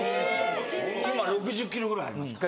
今６０ｋｇぐらいありますから。